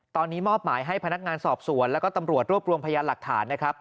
ตอนนี้มอบหมายให้พนักงานสอบสวนแล้วก็ตำรวจรวบรวมพยานหลักฐานนะครับ